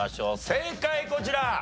正解こちら。